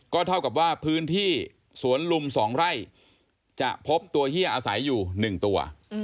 เท่ากับว่าพื้นที่สวนลุม๒ไร่จะพบตัวเฮียอาศัยอยู่๑ตัว